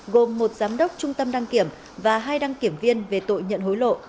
gồm một giám đốc trung tâm đăng kiểm và hai đăng kiểm viên về tội nhận hối lộ